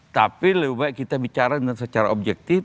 tapi lebih baik kita bicara secara objektif